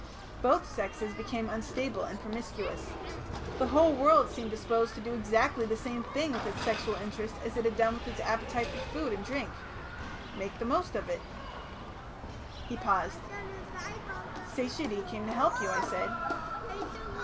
Both sexes became unstable and promiscuous. The whole world seemed disposed to do exactly the same thing with its sexual interest as it had done with its appetite for food and drink make the most of it." He paused. "Satiety came to help you," I said.